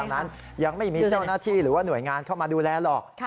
นั้นยังไม่มีเจ้าหน้าที่หรือว่าหน่วยงานเข้ามาดูแลหรอก